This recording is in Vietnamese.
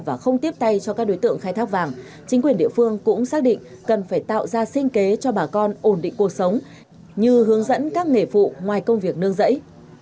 và không tiếp tay cho các đối tượng khai thác vàng chính quyền địa phương cũng xác định cần phải tạo ra sinh kế cho bà con ổn định cuộc sống như hướng dẫn các nghề phụ ngoài công việc nương rẫy